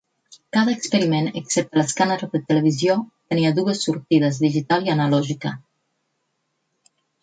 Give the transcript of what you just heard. Cada experiment, excepte l'escàner de televisió, tenia dues sortides, digital i analògica.